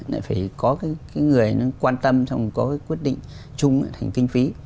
lại phải có cái người quan tâm xong có cái quyết định chung thành kinh phí